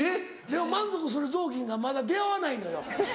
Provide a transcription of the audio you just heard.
でも満足する雑巾がまだ出合わないのよ。